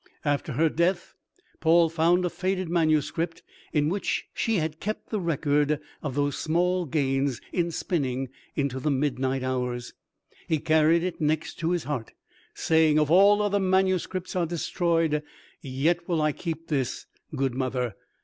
After her death, Paul found a faded manuscript in which she had kept the record of those small gains in spinning into the midnight hours. He carried it next his heart, saying, "If all other manuscripts are destroyed, yet will I keep this, good mother."